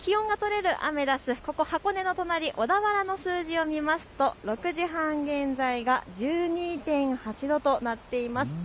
気温が取れるアメダス、箱根の隣、小田原の数字をみると６時半現在が１２．８度となっています。